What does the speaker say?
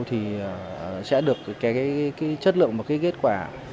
thì sẽ được chất lượng và kết quả